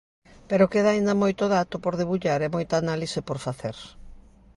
Pero queda aínda moito dato por debullar e moita análise por facer.